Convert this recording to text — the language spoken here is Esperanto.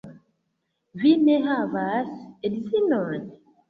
Vi ne havas edzinon?